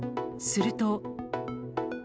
すると。